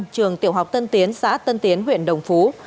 trường tiểu học tân tiến xã tân tiến huyện đồng phú